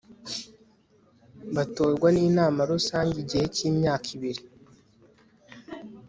batorwa n'inama rusange, igihe cy'imyaka ibiri